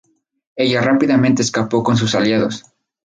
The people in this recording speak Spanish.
Ella rápidamente escapo con sus aliados.